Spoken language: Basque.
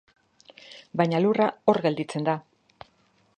Baina lurra, hor gelditzen da.